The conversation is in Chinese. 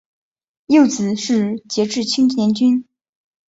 幼子是杰志青年军。